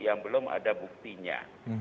yang belum ada buktinya